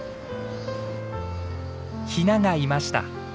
ヒナがいました。